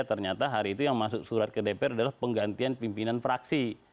ternyata hari itu yang masuk surat ke dpr adalah penggantian pimpinan fraksi